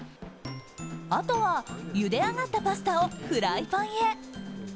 あとは、ゆで上がったパスタをフライパンへ。